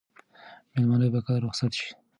مېلمانه به کله رخصت شي؟